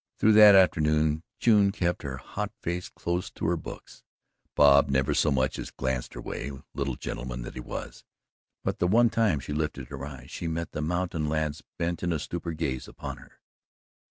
Through that afternoon June kept her hot face close to her books. Bob never so much as glanced her way little gentleman that he was but the one time she lifted her eyes, she met the mountain lad's bent in a stupor like gaze upon her.